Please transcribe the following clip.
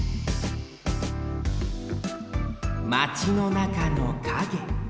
マチのなかのカゲ。